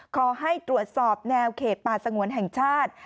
ขอให้ตรวจสอบแนวเขตป่าสงวนแห่งชาติ